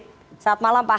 selamat malam pak